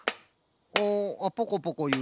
あポコポコいう。